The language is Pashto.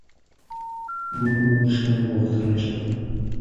مونږ نور شیان غوښتلای شول.